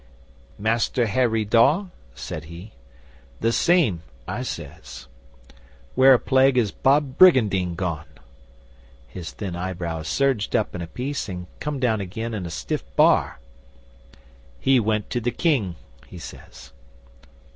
'"Master Harry Dawe?" said he. '"The same," I says. "Where a plague has Bob Brygandyne gone?" 'His thin eyebrows surged up in a piece and come down again in a stiff bar. "He went to the King," he says.